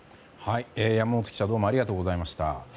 山本記者ありがとうございました。